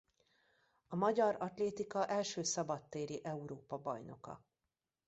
A magyar atlétika első szabad téri Európa-bajnoka.